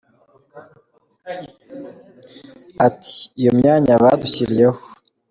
Ati Iyo myanya badushyiriyeho.